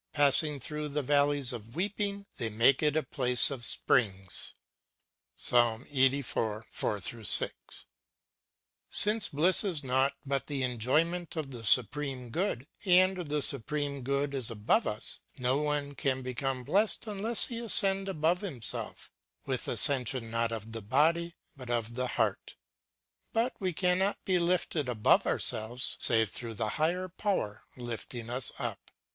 Passing througli the valley of weeping, they make it a place of sjirings." ^ Since bliss is naught but the enjoyment of the Supreme Good, and the Supreme Good is above us, no one can i)ecome blest unless he ascend above himself, with ascension not of the body, but of the heart. But we cannot be lifted above ourselves, save through a higher power lifting us up.